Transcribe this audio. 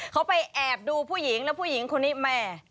เขาไปแอบดูผู้หญิงแล้วผู้หญิงคนนี้แม่